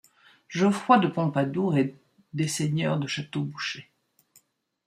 Geoffroi de Pompadour est des seigneurs de Château-Bouchet.